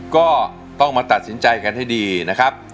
ก็ต้องมาตัดสินใจกันให้ดีนะครับ